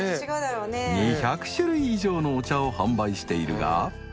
［２００種類以上のお茶を販売しているが］